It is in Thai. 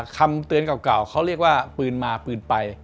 คำเตือนเก่าเขาเรียกว่าปืนมาปืนไป